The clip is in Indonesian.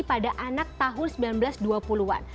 pada anak tahun seribu sembilan ratus dua puluh an